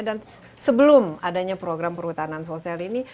sebelum adanya program perhutanan sosial ini